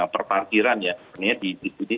berbeda ke morena